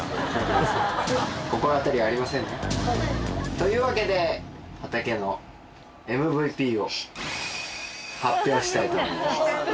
というわけで畑のＭＶＰを発表したいと思います。